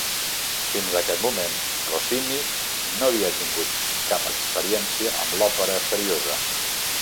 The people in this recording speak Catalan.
Fins a aquest moment, Rossini no havia tingut cap experiència amb l'òpera seriosa.